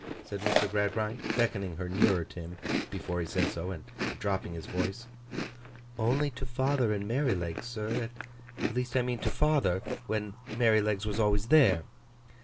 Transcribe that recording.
said Mr. Gradgrind, beckoning her nearer to him before he said so, and dropping his voice. 'Only to father and Merrylegs, sir. At least I mean to father, when Merrylegs was always there.